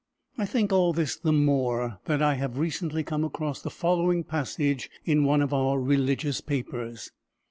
I think all this the more that I have recently come across the following passage in one of our religious papers.